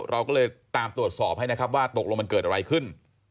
เราก็เลยตามตรวจสอบให้นะครับว่าตกลงมันเกิดอะไรขึ้น